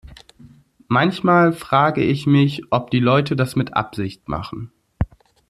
Manchmal frage ich mich, ob die Leute das mit Absicht machen.